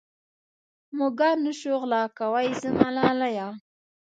مږان نه شو غلا کوې زما لالیه.